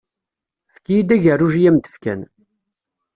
Efk-iyi-d agerruj i am-d-fkan.